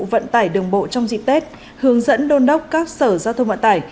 vận tải đường bộ trong dịp tết hướng dẫn đôn đốc các sở giao thông vận tải